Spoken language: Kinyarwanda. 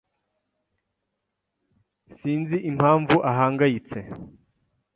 Sinzi impamvu ahangayitse.